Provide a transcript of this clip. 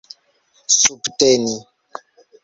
subteni